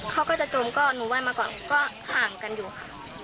เขาก็จะจมก็หนูไห้มาก่อนก็ห่างกันอยู่ค่ะ